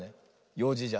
ようじじゃ。